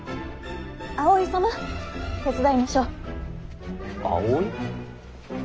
葵様手伝いましょう。